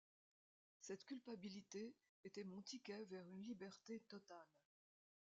Cette culpabilité était mon ticket vers une liberté totale.